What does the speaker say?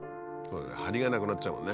張りがなくなっちゃうもんね。